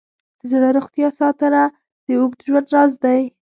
د زړه روغتیا ساتنه د اوږد ژوند راز دی.